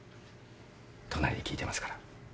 隣で聞いてますから。